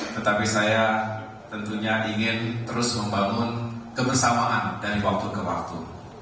tetapi saya tentunya ingin terus membangun kebersamaan dari waktu ke waktu